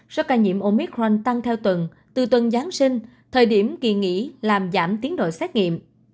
số ca nhiễm omic frank tăng theo tuần từ tuần giáng sinh thời điểm kỳ nghỉ làm giảm tiến độ xét nghiệm